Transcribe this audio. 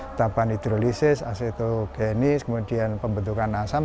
pertama hidrolisis asetogenis kemudian pembentukan asam